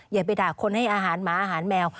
อย่าไปด่าคนให้อาหารหมาอาหารแมว